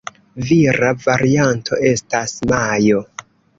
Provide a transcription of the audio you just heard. Vira varianto estas "Majo".